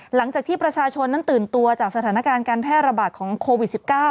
หลังจากที่ประชาชนนั้นตื่นตัวจากสถานการณ์การแพร่ระบาดของโควิด๑๙